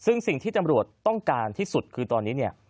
ซึ่งสิ่งที่จำรวจต้องการที่สุดคือตอนนี้เนี่ย